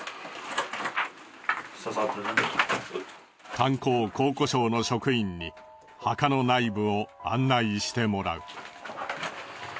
観光・考古省の職員に墓の内部を案内してもらう。